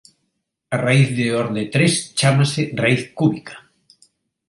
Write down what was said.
A raíz de orde tres chámase raíz cúbica.